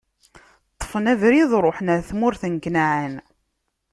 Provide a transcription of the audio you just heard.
Ṭṭfen abrid, ṛuḥen ɣer tmurt n Kanɛan.